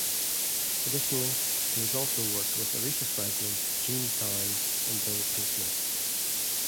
Additionally, he also worked with Aretha Franklin, Jean Carn, and Bill Pinkney.